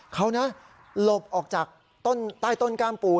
เขานะหลบออกจากต้นใต้ต้นก้ามปู่